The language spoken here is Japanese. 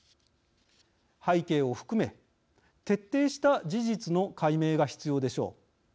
背景を含め、徹底した事実の解明が必要でしょう。